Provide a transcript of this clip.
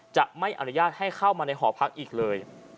จะไม่อนุญาตให้เข้ามาในหอพักอีกเลย